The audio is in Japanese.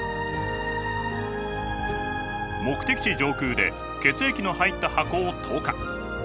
目的地上空で血液の入った箱を投下。